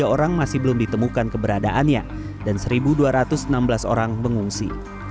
tiga orang masih belum ditemukan keberadaannya dan satu dua ratus enam belas orang mengungsi